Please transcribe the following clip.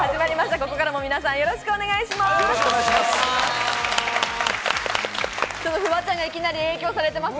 ここからも皆さん、よろしくお願いします。